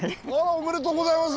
ありがとうございます。